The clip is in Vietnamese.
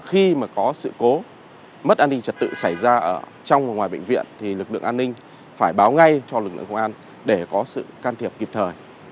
khi mà có sự cố mất an ninh trật tự xảy ra ở trong và ngoài bệnh viện thì lực lượng an ninh phải báo ngay cho lực lượng công an để có sự can thiệp kịp thời